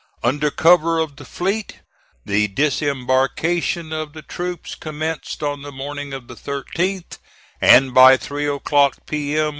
Under cover of the fleet, the disembarkation of the troops commenced on the morning of the 13th, and by three o'clock P.M.